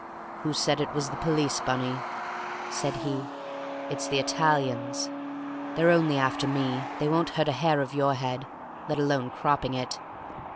"Who said it was the police, Bunny?" said he. "It's the Italians. They're only after me; they won't hurt a hair of your head, let alone cropping it!